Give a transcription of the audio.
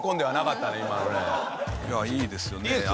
いやいいですよね。